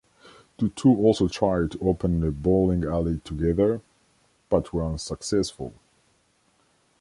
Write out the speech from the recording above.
The two also tried to open a bowling alley together, but were unsuccessful.